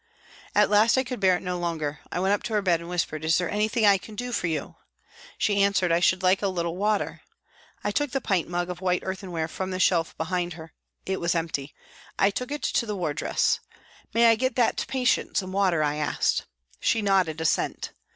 At last I could bear it no longer. I went up to her bed and whispered, " Is there anything I can do for you ?" She answered, " I should like a little water." I took the pint mug of white earthenware from the shelf behind her. It was empty; I took 90 PRISONS AND PRISONERS it to the wardress. " May I get that patient some water ?" I asked. She nodded assent.